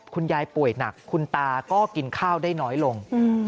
ป่วยหนักคุณตาก็กินข้าวได้น้อยลง